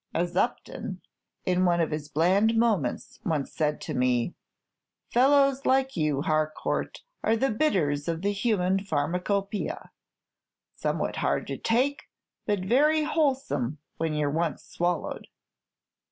As Upton, in one of his bland moments, once said to me, 'Fellows like you, Harcourt, are the bitters of the human pharmacopoeia, somewhat hard to take, but very wholesome when you're once swallowed.'"